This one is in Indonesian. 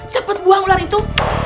cepat buang ular itu